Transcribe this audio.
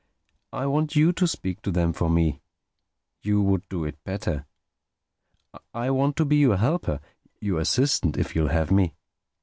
"I want you to speak to them for me. You would do it better. I want to be your helper—your assistant, if you'll have me.